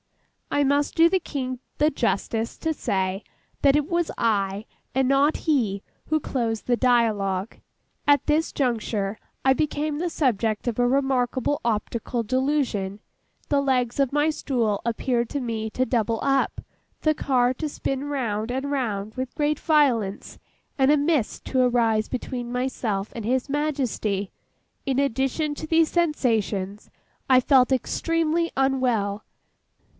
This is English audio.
I must do the King the justice to say that it was I, and not he, who closed the dialogue. At this juncture, I became the subject of a remarkable optical delusion; the legs of my stool appeared to me to double up; the car to spin round and round with great violence; and a mist to arise between myself and His Majesty. In addition to these sensations, I felt extremely unwell.